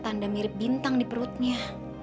tanda mirip bintang di perutnya